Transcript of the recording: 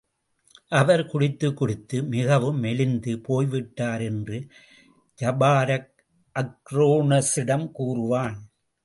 அவர் குடித்துக்குடித்து மிகவும், மெலிந்து போய்விட்டார் என்று ஜபாரக் அக்ரோனோசிடம் கூறுவான்.